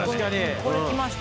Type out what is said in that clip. これきました。